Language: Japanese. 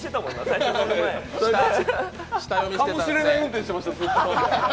かもしれない運転してました。